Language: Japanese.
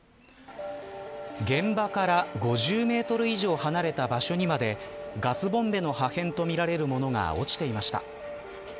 現場から５０メートル以上離れた場所にまでガスボンベの破片とみられるものが落ちていました。